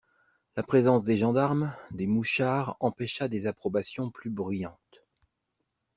La présence des gendarmes, des mouchards empêcha des approbations plus bruyantes.